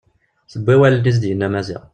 Tewwi awalen i as-d-yenna Maziɣ.